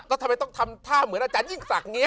ก็ทำไมต้องทำท่าเหมือนอาจารย์ยิ่งสักอย่างนี้